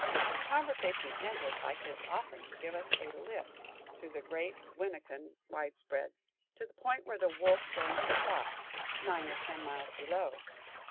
The conversation ended by his offering to give us a "lift" through the great Winneconne widespread, to the point where the Wolf joins the Fox, nine or ten miles below.